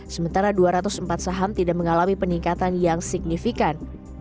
sementara dua ratus empat saham tidak mengalami peningkatan yang signifikan